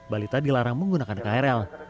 balita dilarang menggunakan krl